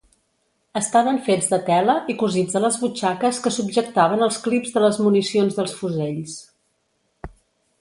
Estaven fets de tela i cosits a les butxaques que subjectaven els clips de les municions dels fusells.